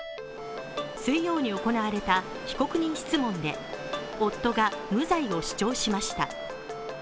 水曜に行われた被告人質問で夫が無罪を主張しました。